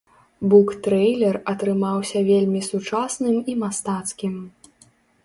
Буктрэйлер атрымаўся вельмі сучасным і мастацкім.